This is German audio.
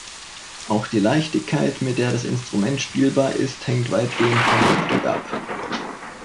Auch die Leichtigkeit, mit der das Instrument spielbar ist, hängt weitgehend vom Mundstück ab.